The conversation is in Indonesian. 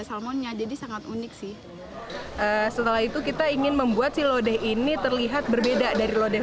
salmonnya jadi sangat unik sih setelah itu kita ingin membuat si lodeh ini terlihat berbeda dari lodeh